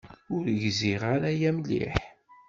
Ur gziɣ ara aya mliḥ.